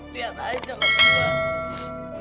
lihat aja lo berdua